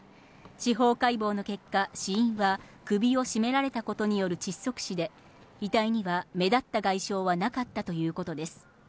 司法解剖の結果、死因は首を絞められたことによる窒息死で、遺体には目立った外傷はなかったということです。